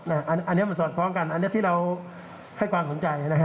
อันเนี่ยมันสดคล้องกันอันเนี่ยที่เราให้ความสนใจนะครับ